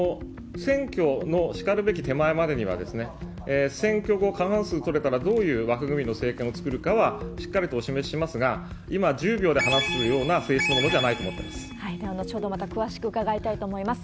選挙のしかるべき手前までには、選挙後、過半数取れたらどういう枠組みの制限を作るかは、しっかりとお示ししますが、今、１０秒で話すような性質のものではないと思ってでは、後ほどまた詳しく伺いたいと思います。